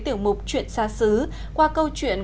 tiểu mục chuyện xa xứ qua câu chuyện